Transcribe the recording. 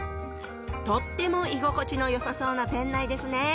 とっても居心地のよさそうな店内ですね